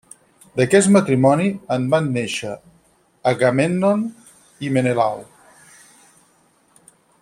D'aquest matrimoni en van néixer Agamèmnon i Menelau.